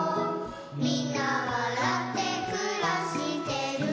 「みんなわらってくらしてる」